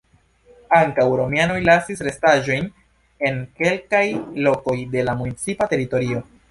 Ankaŭ romianoj lasis restaĵojn en kelkaj lokoj de la municipa teritorio.